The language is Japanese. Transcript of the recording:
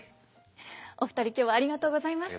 お二人今日はありがとうございました。